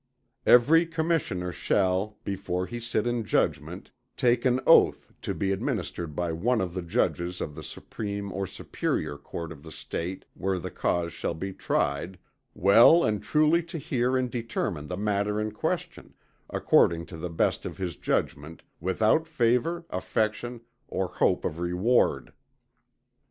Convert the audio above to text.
Every commissioner shall, before he sit in judgment, take an oath, to be administered by one of the judges of the supreme or superior court of the State where the cause shall be tried, "well and truly to hear and determine the matter in question, according to the best of his judgment, without favour, affection, or hope of reward."